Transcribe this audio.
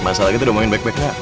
masalah kita udah omongin baik baik